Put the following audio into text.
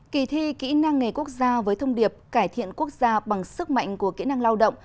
kỳ thi kỹ năng nghề quốc gia với thông điệp cải thiện quốc gia bằng sức mạnh của kỹ năng lao động